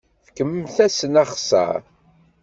Fkemt-asen axeṣṣar.